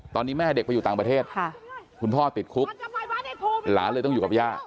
ตอนนี้แม่เด็กไปอยู่ต่างประเทศคุณพ่อติดคุกหลานเลยต้องอยู่กับย่า